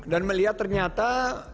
dan melihat ternyata